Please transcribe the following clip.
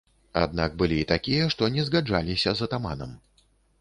Аднак былі і такія, што не згаджаліся з атаманам.